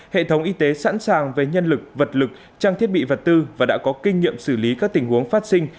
hệ thống y tế sẵn sàng về nhân lực vật lực trang thiết bị vật tư và đã có kinh nghiệm xử lý các tình huống phát sinh